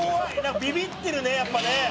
ビビってるねやっぱね。